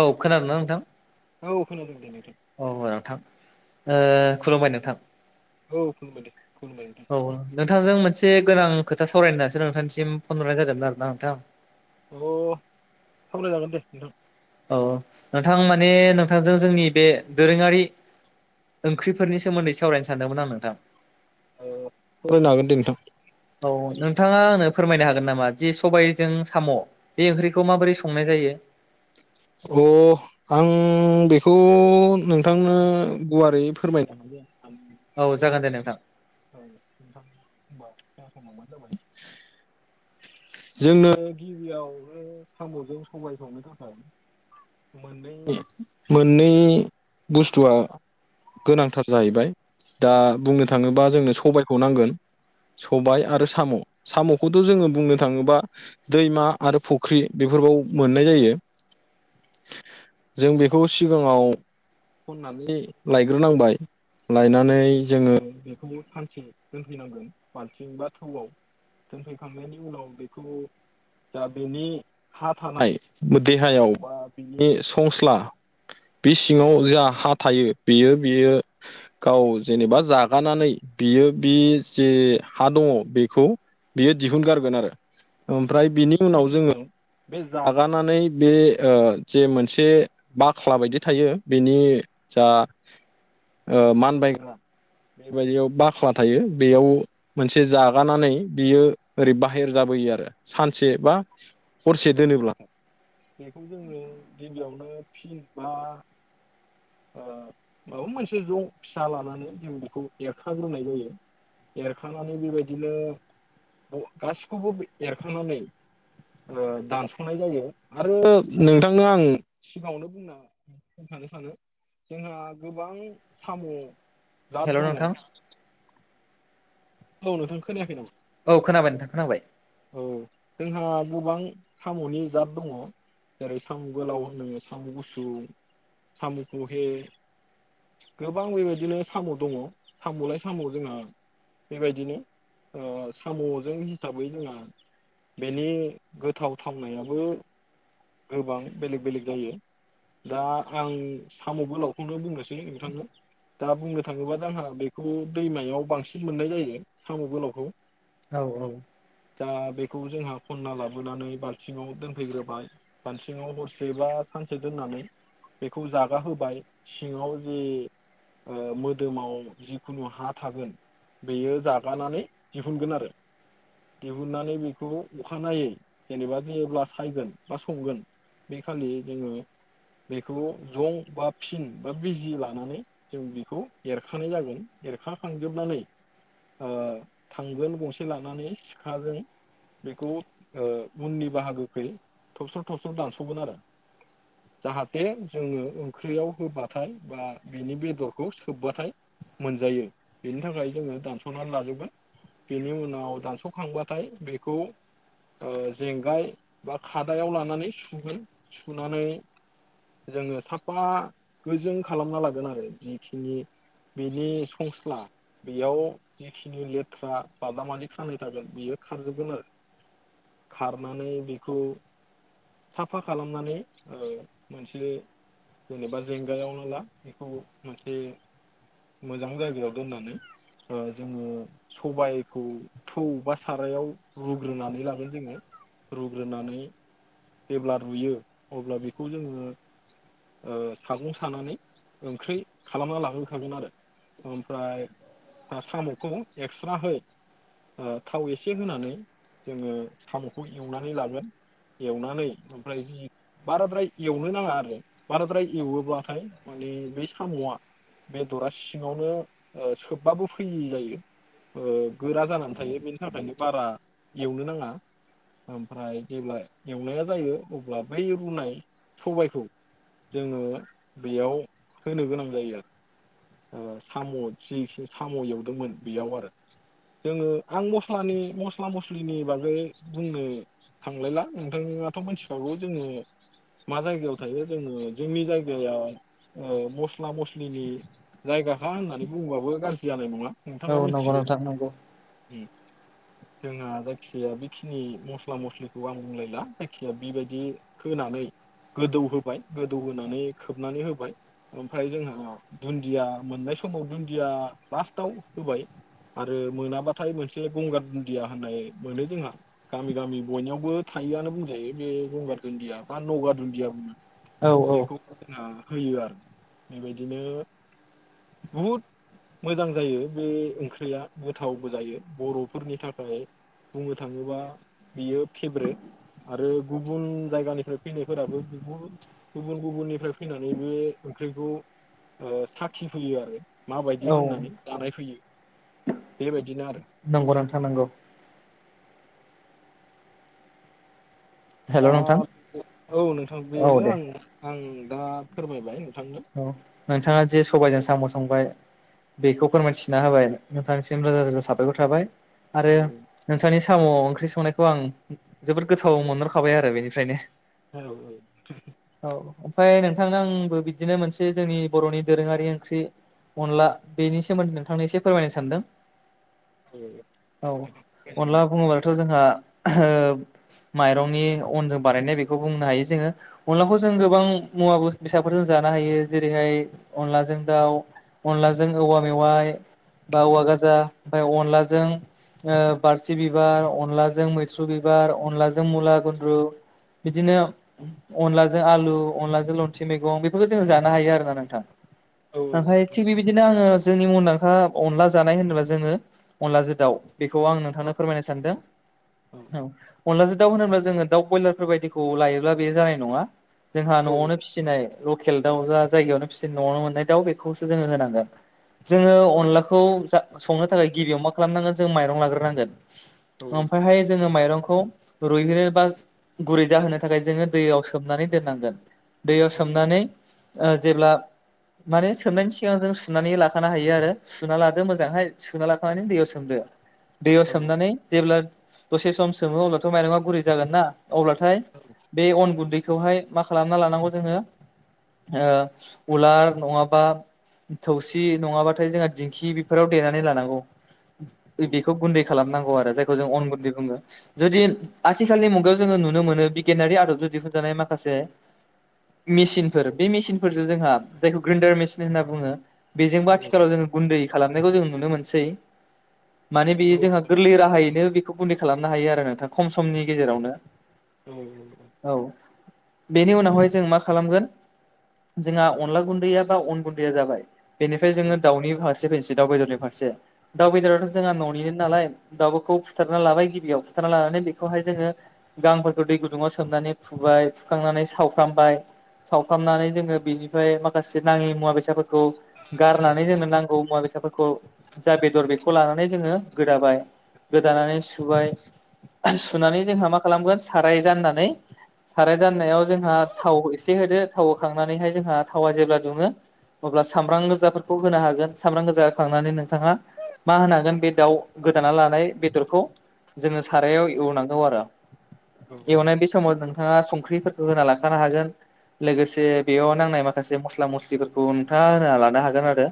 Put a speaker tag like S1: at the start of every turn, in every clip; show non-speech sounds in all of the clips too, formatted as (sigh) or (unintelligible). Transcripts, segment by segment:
S1: औ खोनादों ना नोंथां?
S2: औ खोनादों दे नों
S1: औ नोंथां। ओ खुलुमबाय नोंथां। औ नोंथांजों मोन से गोनां खोथा सावरायनो होननासो नोंथांनिसिम फन हरनाय जादोंमोन आरो ना नोंथां।
S2: अ सावरायजागोन दे नोंथां।
S1: अ। नोंथां माने नोंथांजों जोंनि बे दोरोङारि ओंख्रिफोरनि सोमोन्दै सावरायनो सानदोंमोन आं नोंथां।
S2: औ सावरायनो हागोन दे नोंथां।
S1: औ नोंथाङा आंनो फोरमायनो हागोन नामा जे सबायजों साम' बे ओंख्रिखौ माबोरै संनाय जायो? (inaudible)
S2: अ आं बेखौ नोंथांनो गुवारै फोरमाय (unintelligible) (unintelligible) (unintelligible)
S1: औ जागोन दे नोंथां
S2: जोंनो गिबियावनो साम'जों सबाय संनो थाखाय मोननै मोननै बुस्थुआ गोनांथार जाहैबाय। दा बुंनो थाङोबा जोंनो सबायखौ नांगोन। सबाय आरो साम'। साम'खौथ' जोङो बुंनो थाङोबा दैमा आरो फुख्रि बे फोराव मोननाय जायो। जों बेखौ सिगाङाव खननानै लायग्रोनांबाय। लायनानै जोङो बेखौबो सानसे दोनफैनांगोन बाल्थिं बा थौवाव। दोनफैखांनायनि उनाव बेखौ जा बिनि हा थानाय देहायाव बा बिनि संस्ला बे सिङाव जा हा थायो बेयो बेयो गाव जेनेबा जागानानै बियो बे जे हा दङ' बेखौ बियो दिहुनगारगोन आरो ओमफ्राय बिनि उनाव जोङो बे जागानानै बे ओ जे मोनसे बाख्ला बायदि थायो बेनि जा ओ मानबायग्रा बेबायदियाव बाख्ला थायो बेयाव मोनसे जागानानै बियो ओरै बाहेर जा बोयो सानसे बा हरसे दोनोब्ला। बेखौ जोङो गिबियावनो फिन बा ओ माबा मोनसे ज' फिसा लानानै जों बेखौ एरखाग्रोनाय जायो एरखानानै बेबायदिनो गासिखौबो एरखानानै ओ दानस'नाय जायो आरो नोंथां नो आं सिगाङावनो बुंना बुंथानो सानो जोंहा गोबां साम'
S1: हेल'
S2: जात दङ
S1: नोंथां
S2: औ नोंथां खोनायाखै नामा
S1: औ खोनाबाय नोंथां खोनाबाय
S2: जोंहा गोबां साम'नि जात दङ जेरै साम' गोलाव होनो साम' गुसुं साम'ख'हे गोबां बेबायदिनो साम' दङ साम'लाय साम' जोंहा बेबायदिनो ओ साम'जों हिसाबै जोंहा बेनि गोथाव थावनायाबो गोबां बेलेग बेलेग जायो दा आं साम'बो गोलावखौनो बुंनोसै नोंथांनो दा बुंनो थाङोबा जोंहा बेखौ दैमायाव बांसिन मोननाय जायो साम' गोलावखौ
S1: औ औ
S2: दा बेखौ जोंहा खनना लाबोनानै बालथिङाव दोनफैग्रोबाय बालथिङाव हरसेबा सानसे दोननानै बेखौ जागा होबाय सिङाव जे ओ मोदोमाव जिखुनु हा थागोन बेयो जागानानै दिहुनगोन आरो दिहुननानै बेखौ अखानायै जेनेबा जो अब्ला सायगोन बा संगोन बे खालि जोङो बेखौ जं बा फिन बा बिजि लानानै जों बेखौ एरखानाय जागोन एरखाखांजोबनानै ओ थांगोन गंसे लानानै सिखाजों बेखौ ओ उननि बाहागोखै थबस्र' थबस्र' दानस'गोन आरो जाहाथे जोङो ओंख्रियाव होबाथाय बा बेनि बेदरखौ सोबबाथाय मोनजायो बेनि थाखाय जोङो दानस'नानै लाजोबगोन बेनि उनाव दानस'खांबाथाय बेखौ ओ जेंगाय बा खादायाव लानानै सुगोन सुनानै जोङो साफा गोजों खालामना लागोन आरो जिखिनि बेनि संस्ला बेयाव जिखिनि लेथ्रा बादामलि खानाय थागोन बेयो खारजोबगोन आरो खारनानै बेखौ साफा खालामनानै ओ मोनसे जेनेबा जेंगायाव नो ला बेखौ मोनसे मोजां जायगायाव दोननानै ओ जोङो सबायखौ थौ बा सारायाव रुग्रोनानै लागोन जोङो रुग्रोनानै जेब्ला रुयो अब्ला बेखौ जोङो ओ सागं सानानै ओंख्रि खालामना लाग्रोखागोन आरो ओमफ्राय आ साम'खौ एक्स्रा हो ओ थाव एसे होनानै जोङो साम'खौ एवनानै लागोन एवनानै ओमफ्राय जि बाराद्राय एवनो नाङा आरो बाराद्राय एवोब्लाथाय माने बे साम'आ बेदरा सिङावनो ओ सोबबाबो फैयि जायो ओ गोरा जानानै थायो बेनि थाखायनो बारा एवनो नाङा ओमफ्राय जेब्ला एवनाया जायो अब्ला बै रुनाय सबायखौ जोङो बेयाव होनो गोनां जायो आरो ओ साम' जिखनि साम' एवदोंमोन बेयाव आरो जोङो आं मस्लानि मस्ला मस्लिनि बागै बुंनो थांलायला नोंथां दाथं मानथिफ्रागौ जोङो मा जायगायाव थायो जोङो जोंनि जायगायाव ओ मस्ला मस्लिनि जायगाखा होननानै बुंबाबो गाज्रि जानाय नङा
S1: औ नंगौ नोंथां नोंगौ
S2: जोंहा जायखियाया बेखिनि मस्ला मस्लिखौ आं बुंलायला जायखिया बेबायदि होनानै गोदौ होबाय गोदौ होनानै खोबनानै होबाय ओमफ्राय जोङो दुन्दि दुन्दिया मोननाय समाव दुन्दिया लास्टाव होबाय आरो मोनाब्लाथाय मोनसे गंगार दुन्दिया होननाय मोनो जोंहा गामि गामि बयनावबो था थायोआनो बुंजायो बे गंगार दुन्दिया बा नगा दुन्दिया बुङो
S1: औ औ
S2: बेखौ जोंना होयो आरो बेबायदिनो बुहुद मोजां जायो बे ओंख्रिया गोथावबो जायो बर'फोरनि थाखाय बुंनो थाङोबा बियो फेब्रेट आरो गुबुन जायगानिफ्राय फैनायफोराबो गुबु गुबुन गुबुननिफ्राय फैनानै बो ओंख्रिखौ ओ साखि फैयो आरो माबायदि
S1: औ
S2: होननानै जानाय फैयो बेबायदिनो आरो
S1: नंगौ नोंथां नंगौ हेल'
S2: ओ!
S1: नोंथां
S2: औ नोंथां
S1: औ
S2: बेनो
S1: दे
S2: आं आं दा फोरमायबाय
S1: औ नोंथाङा जे सबायाइजों साम' संबाय बेखौ फोरमायथिना होबाय नोंथांनिसिम रोजा रोजा साबायखर थाबाय आरो नोंथांनि साम' ओंख्रि संनायखौ आं जोबोद गोथाव मोनहरखाबाय आरो बेनिफ्रायनो
S2: औ औ
S1: औ ओमफ्राय नोंथांनो आंबो बिदिनो मोनसे जोंनि बर'नि दोरोङारि ओंख्रि अनला बेनि सोमोन्दै नोंथांनो एसे फोरमायनो सानदों। औ अनला बुङोब्लाथ' जोंहा ओ माइरंनि अनजों बारायनाय बेखौ बुंनो हायो जोङो अनलाखौ जों गोबां मुवा बेसादफोरजों जानो हायो जेरैहाय अनलाजों दाउ अनलाजों औवा मेवाइ बा औवा गाजा ओमफाय अनलाजों ओ बारसि बिबार अनलाजों मैथ्रु बिबार अनलाजों मुला गुन्द्रु बिदिनो अनलाजों आलु अनलाजों लन्थि मैगं जों जानो हायो आरोना नोंथां ओमफ्राय थिग बिबायदिनो आङो जोंनि मुंदांखा अनला जानाय होनोब्ला जोङो अनलाजों दाउ। बेखौ आं नोंथांनो फोरमायनो सानदों। औ अनलाजों दाउ होनोब्ला जोङो दाउ ब्रयलारफोर बायदिखौ लायोब्ला बे जानाय नङा जोंहा न'आवनो फिसिनाय लकेल दाउ जा जायगायावनो फिसिन न'आवनो मोननाय दाउ बेखौसो जोङो होनांगोन। जोङो अनलाखौ जा संनो थाखाय गिबियाव मा खालामनांगोन जों माइरं लाग्रोनांगोन ओमफ्रायहाय जोङो माइरंखौ खौ रुहोननो बा गुरै जाहोनो थाखाय जोङो दैयाव सोमनानै दोननांगोन दैयाव सोमनानै ओ जेब्ला माने सोमनायनि सिगाङाव जों सुनानै लाखानो हायो आरो सुना लादो मोजांहाय सुना लाखानानै दैयाव सोमदो दैयाव सोमनानै जेब्ला दसे सम सोमो अब्लाथ' माइरंआ गुरै जागोन ना अब्लाथाय बे अन गुन्दैखौहाय मा खालामना लानांगौ जोङो उलार नङाबा थौसि नङाबाथाय जोंहा दिंखि बेफोराव देनानै लानांगौ बेखौ गुन्दै खालामनांगौ जाय जोंनै बुङो। जुदि आथिखालनि मुगायाव जोङो नुनो मोनो बिगियानारि आदबजों दिहुन जानाय माखासे मेचिनफोर बे मेसिनफोरजों जोंहा जायखौ ग्रेन्डार मेसिन होनना बुङो बेजोंबो आथिखालाव जोङो गुन्दै खालामनायखौ जोङो नुनो मोनसै माने बेयो जोंहा गोरलै राहायैनो बेखौ गुन्दै खालामनो हायो आरो नोंथां खम समनि गेजेरावनो
S2: औ
S1: औ बेनि उनावहाय जों मा खालामगोन जोंहा अनला गुन्दैया गाव अन गुन्दैया जाबाय बेनिफ्राय जोङो दाउनि फारसे फैनोसै दाउ बेदरनि फारसे दाउ बेदरावथ' जोंहा न'निनो नालाय दाउ बेखौ फुथारना लाबाय गिबियाव फुथारना लानानै बेखौहाय जों गांफोरखौ दै गुदुङाव सोमनानै फुबाय फुखांनानै सावफ्रामबाय सावथामनानै जोङो बेनिफ्राय माखासे नाङि मुवा बेसादफोरखौ गारनानै जोंनो नांगौ मुवा बे- बेसादफोरखौ जा बेदर बेखौ लानानै जोङो गोदाबाय गोदानानै सुबाय सुनानै जोंहा मा खालामगोन साराइ जाननानै साराइ जाननायाव जोंहा थाव एसे होदो थाव होखांनानैहाय जोंहा थावा जेब्ला दुङो अब्ला सामब्राम गोजाफोरखौ होनो हागोन सामब्राम गोजााखांनानै नोंथाङा मा होनागोन बे दाउ गोदाना लानाय बेदरखौ जोङो सारायाव एवनांगौ आरो एवनाय बे समाव नोंथाङा संख्रिफोरखौ होना लाखानो हागोन लोगोसे बेयाव नांनाय माखासे मस्ला मस्लिफोरखौ नोंथाङा होना लानो हागोन आरो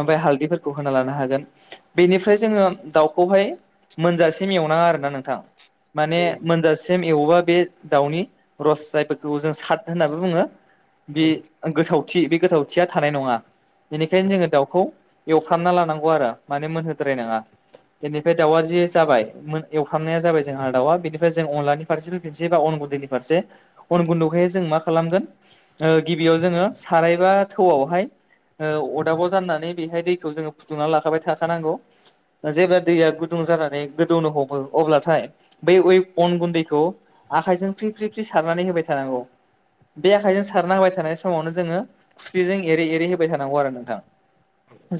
S1: ओमफ्राय हालदफोरखौ होना लानो हागोन बेनिफ्राय जोङो दाउखौहाय मोनजासिम एवनाङा आरोना नों थां माने मोनजासिम एवोबा बे दाउनि रस जायफोरखौ जों साद होनना बुङो बे गोथावथि बे गोथावथिया थानाय नङा बेनिखायनो जोङो दाउखौ एवफ्रामना लानांगौ आरो माने मोनहोद्राय नाङा बेनिफ्राय दाउआ जे जाबाय मोन एवफ्रामनाया जाबाय जोंहा दाउआ बेनिफ्राय जों अनलानि फारसेबो फिननोसै बा अन गुन्दैनि फारसे अन गुन्दुखाय जों मा खालामगोन गिबियाव जोङो सारायबा थौआवहाय अरदाबाव जाननानै बेहाय दैखौ जोङो फुदुंनानै लाखाबाय थाखानांगौ जेबो दैया गुदुं जागोन गोन गोदौनो हमो अब्लाथाय बै अन गुन्दैखौ आखायजों फ्रि फ्रि सारनानै हाय होबाय थानांगौ बे आखाइजों सारना हबाय थानाय समावनो जोङो खुस्लिजों एरै एरै होबाय थानांगौ आरो नोंथां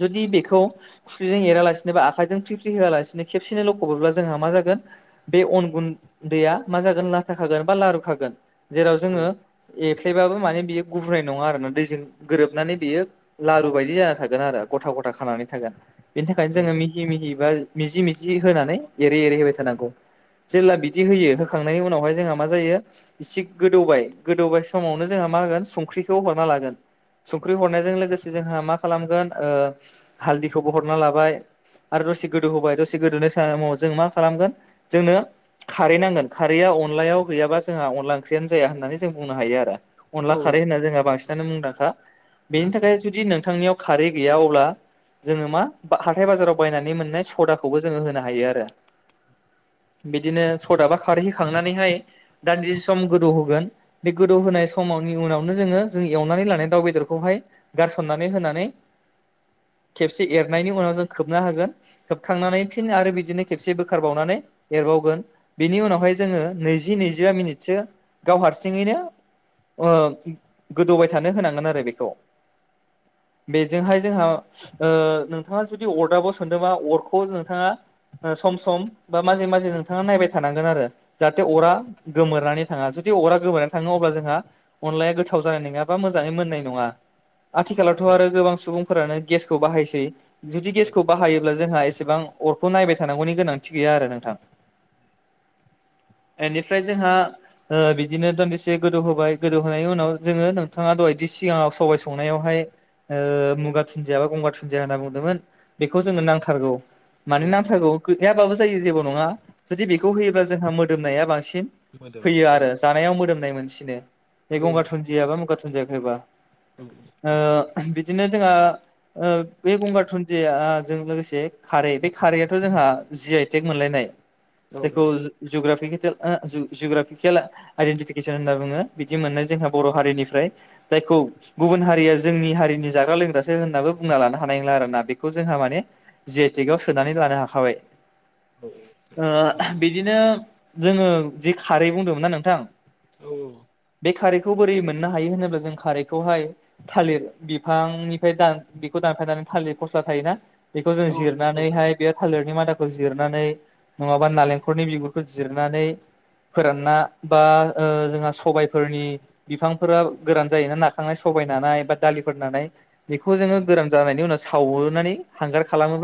S1: जुदि बेखौ खुस्लिजों एरालासिनो बा आखाइजों फ्रि फ्रि होआलासिनो खेबसेयैनो ल'खबैब्ला जोंहा मा जागोन बे अन गुन्दैआ मा जागोन लाथा खागोन बा लारु खागोन। जेराव जोङो एफ्लेबाबो माने बियो गुुरनाय नङा आरो ना दैजों गोरोबनानै बियो लारु बायदि जाना थागोन आरो गथा गथा खानानै थागोन बेनि थाखायनो जोङो मिहि मिहि बा मिजि मिजि होनानै एरै एरै होबाय थानांगौ जेब्ला बिदि होयो होखांनायनि उनावहाय जोंहा मा जायो इसे गोदौबाय गोदौबाय समावनो जोंहा मा होगोन संख्रिखौ हरना लागोन संख्रि हरनायजों लोगोसे जोंहा मा खालामगोन हालदिखौबो हरना लाबाय आरो दसे गोदौ होबाय दसे गोदौनि समाव जों मा खालामगोन जोंनो खारै नांगोन खारैया अनलायाव गैयाबा जोंहा अनला ओंख्रियानो जाया होननानै जों बुंनो हायो आरो अनला खारै होनना जोंहा बांसिन नो मुंदांखा बेनि थाखाय जुदि नोंथांनियाव खारै गैया अब्ला जोङो मा हाथथाय बाजाराव बायनानै मोननाय सदाखौबो जोङो होनो हायो आरो बिदिनो सदाबा खारहैखांनानैहाय दान्दिसे सम गोदौ होगोन। बे गोदौ होनाय समावनि उनावनो जोङो जों एवनानै लानाय दाउ बेदरखौहाय गारसननानै होनानै खेबसे एरनायनि उनाव जों खोबनो हागोन। होबखांनानै फिन आरो बिदिनो खेबसेबो नानै एबावगोन बेनि उनावहाय जोङो नैजि नैजबा मिनिटसो गाव हारसिं हारसिंनो गोदौबाय थानो होनांगोन आरो बेखौ। बेजोंहाय जोंहा नोंथाङा जुदि अराबो सानदोंबा अरखौ नोंथाङा सम सम बा माजे माजे नोंथाङा नायबाय थानांगोन आरो जाहाथे अरा गोमोरनानै थाङा जुदि अरा गोबोरानो थाङो अब्ला जोंहा अनलाया गोथाव जानाय नङा बा मोजाङै मोननाय नङा। आथिखालावथ' आरो गोबां सुबुंफोरानो गेसखौ बाहायसै जुदि गेसखौ बाहायोब्ला जोंहा एसेबां अरखौ नायबाय थानांगौनि गोनांथि गैया आरो नोंथां। बेनिफ्राय जोंहा ओ बिदिनो दनदिसे गोदौ होबाय गोदौ होनायनि उनाव जोङो नोंथाङा दहायदि सिगाङाव सबाइ संनायावहाय मुगा दुनदिया बा गंगार दुनदिया होनना बुंदोंमोन। बेखौ जोङो नांथारगौ माने नांथारगौ। नेैयाबाबो जायो जेबो नङा जुदि बेखौ होयोब्ला जोंहा मोदोमनाया बांसिन फैयो आरो
S2: (unintelligible)
S1: जानायाव मोदोमनाय मोनसिनो बे गंगार दुनजिया बा मुगा दुनजियाखैबा बिदिनो जोंहा बे गंगार दुनदिया जजों लोगोसे खारै बे खारैआथ' जोंहा जि आइटेक मोनलायनाय। बे जग्राफि जग्रफि खेल आइडेन्टिफिकेसन होनना बुङो बिदि मोननाय जोंहा बर' हारिनिफ्राय जायखौ गुबुन हारिया जोंनि हारि जोंनि जाग्रा लोंग्रासो होनाबो बुंना लानो हानाय नंला आर ना बेखौ जोंहा माने जेटिकव सोनानै लानो हाखाबाय। (inaudible)
S2: औ
S1: ओ बिदिनो जोङो जि खारै बुंदोंमोन ना नोंथां।
S2: औ
S1: बे खारैखौ बोरै मोननो हायो होनोब्ला जों खारैखौहाय थालिर बिफांनिफ्राय दान बेखौ दानफायनानै थालिर फस्ला थायोना बेखौ जों जिरनानैहाय बे थालिरनि मादाखौ जिरनानै नङाबा नालेंखलनि बिगुरखौ जिरनानै फोरानना बा ओ जोंहा सबायफोरनि बिफांफोरा गोरान जायोना नाखांनाय सबाय नानाय बा दालिफोर बेखौ जोङो गोर जानायनि उनाव सावनानै हांगार खालामोबा